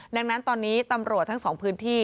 ดังนั้นตอนนี้ตำรวจทั้งสองพื้นที่